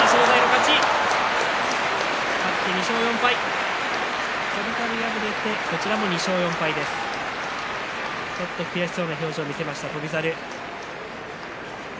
ちょっと悔しそうな表情を見せました、翔猿。